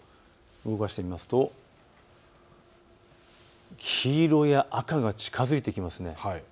動かしてみますと黄色や赤が近づいてきますね。